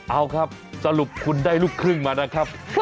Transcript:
เอาครับสรุปคุณได้ลูกครึ่งมานะครับ